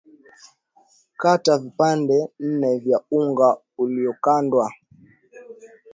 kata vipande nne vya unga uliokandwa